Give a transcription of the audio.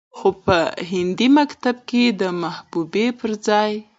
خو په هندي مکتب کې د محبوبې پرځاى